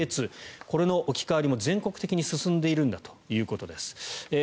２これの置き換わりも全国的に進んでいるんだということです。